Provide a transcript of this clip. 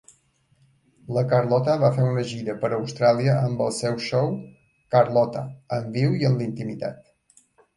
La Carlotta va fer una gira per Austràlia amb el seu show "Carlotta: En viu i en la intimitat".